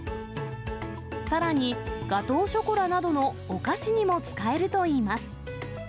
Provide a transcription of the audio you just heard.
さらに、ガトーショコラなどのお菓子にも使えるといいます。